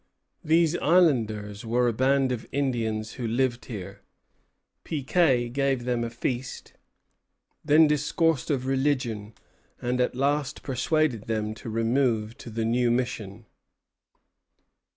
These islanders were a band of Indians who lived here. Piquet gave them a feast, then discoursed of religion, and at last persuaded them to remove to the new mission.